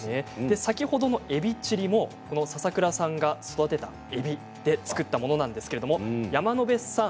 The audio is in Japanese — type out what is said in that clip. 先ほどのえびチリも佐々倉さんが育てたえびで作ったものなんですけれど山野辺さん